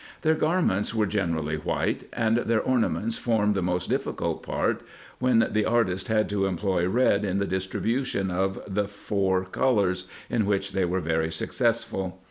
Their garments were generally white, and their ornaments formed the most difficult part, when the artists had to employ red in the distribution of the four colours, in which they were very successful.